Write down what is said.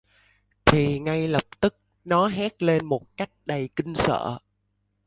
Thì ngay lập tức nó hét lên một cách đầy kinh sợ